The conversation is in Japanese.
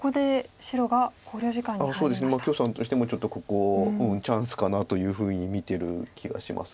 許さんとしてもちょっとここチャンスかなというふうに見てる気がします。